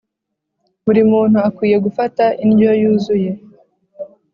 buri muntu akwiye gufata indyo yuzuye